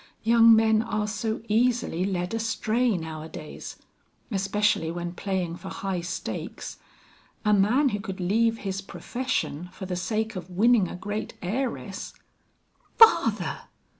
Young men are so easily led astray nowadays; especially when playing for high stakes. A man who could leave his profession for the sake of winning a great heiress " "Father!"